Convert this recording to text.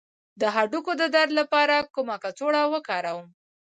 د هډوکو د درد لپاره کومه کڅوړه وکاروم؟